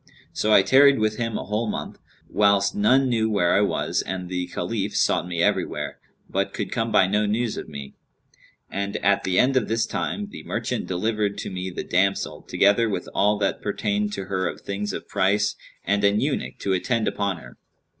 So I tarried with him a whole month, whilst none knew where I was and the Caliph sought me everywhere, but could come by no news of me; and at the end of this time, the merchant delivered to me the damsel, together with all that pertained to her of things of price and an eunuch to attend upon her.